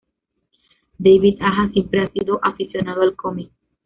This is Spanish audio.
David Aja siempre ha sido aficionado al cómic.